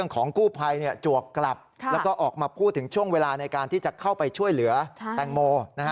ของกู้ภัยจวกกลับแล้วก็ออกมาพูดถึงช่วงเวลาในการที่จะเข้าไปช่วยเหลือแตงโม